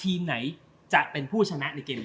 เพื่อหาโอกาสที่ไหนจะเป็นผู้ชนะในเกมงี้